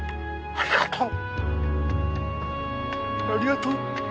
ありがとう。